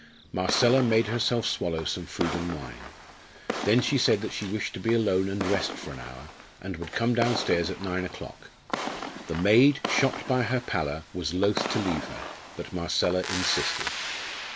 Marcella made herself swallow some food and wine. Then she said that she wished to be alone and rest for an hour, and would come downstairs at nine o'clock. The maid, shocked by her pallor, was loth to leave her, but Marcella insisted.